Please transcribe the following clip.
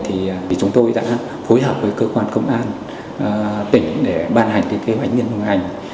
thì chúng tôi đã phối hợp với cơ quan công an tỉnh để ban hành cái kế hoạch nghiên cứu hành